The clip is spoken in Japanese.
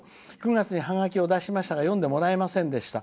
「９月にハガキを出しましたが読んでもらえませんでした」。